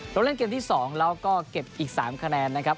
ลงเล่นเกมที่๒แล้วก็เก็บอีก๓คะแนนนะครับ